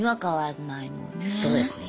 そうですね。